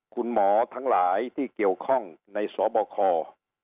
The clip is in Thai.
คุณหมอทั้งหลายที่เกี่ยวข้องในสบค